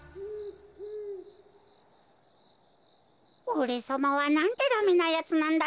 おれさまはなんてダメなやつなんだってか。